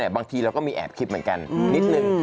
บางทีเราก็มีแอบคิดเหมือนกันนิดนึง